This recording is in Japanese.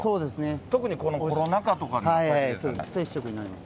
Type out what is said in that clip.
特にこのコロナ禍とかは。